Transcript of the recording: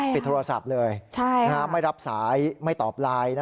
ปิดโทรศัพท์เลยไม่รับสายไม่ตอบไลน์